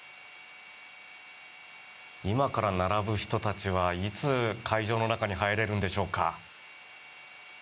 今から並ぶ人たちはいつ会場の中に入れるんでしょうか。